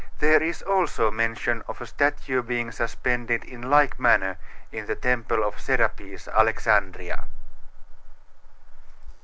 There is also mention of a statue being suspended in like manner in the temple of Serapis, Alexandria.